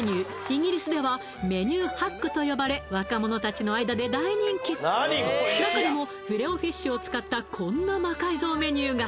イギリスではメニュー・ハックと呼ばれ若者たちの間で大人気中でもフィレオフィッシュを使ったこんな魔改造メニューが